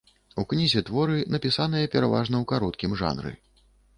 У кнізе творы, напісаныя пераважна ў кароткім жанры.